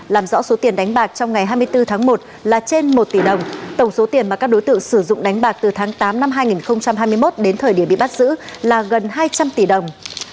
làm rõ số tiền đánh bạc trong ngày hai mươi bốn tháng một là trên một tỷ đồng tổng số tiền mà các đối tượng sử dụng đánh bạc từ tháng tám năm hai nghìn hai mươi một đến thời điểm bị bắt giữ là gần hai trăm linh tỷ đồng